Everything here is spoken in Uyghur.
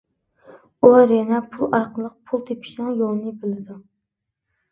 ئۇلار يەنە پۇل ئارقىلىق پۇل تېپىشنىڭ يولىنى بىلىدۇ.